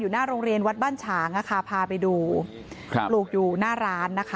อยู่หน้าโรงเรียนวัดบ้านฉางพาไปดูปลูกอยู่หน้าร้าน